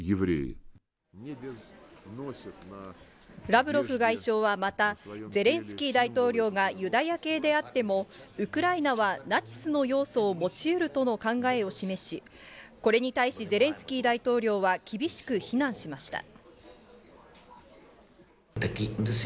ラブロフ外相はまた、ゼレンスキー大統領がユダヤ系であっても、ウクライナはナチスの要素を持ちうるとの考えを示し、これに対しゼレンスキー大統領は、厳しく非難しました。